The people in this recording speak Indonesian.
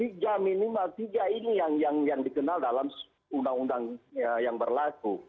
tiga minimal tiga ini yang dikenal dalam undang undang yang berlaku